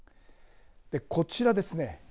こちらですね。